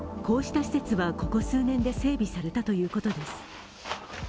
こうした施設はここ数年で整備されたということです。